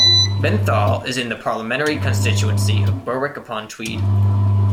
Benthall is in the parliamentary constituency of Berwick-upon-Tweed.